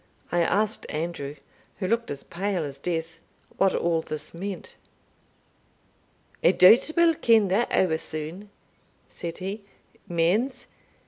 I asked Andrew, who looked as pale as death, what all this meant. "I doubt we'll ken that ower sune," said he. "Means?